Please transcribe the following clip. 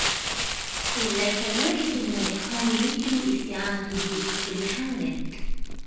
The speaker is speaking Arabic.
إذْ لَيْسَ الْوَاحِدُ مِنْ الْإِخْوَانِ يُمْكِنُ الِاسْتِعَانَةُ بِهِ فِي كُلِّ حَالٍ